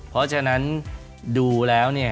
เพราะฉะนั้นดูแล้ว